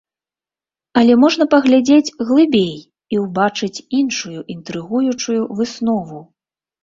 Але можна паглядзець глыбей і ўбачыць іншую інтрыгуючую выснову.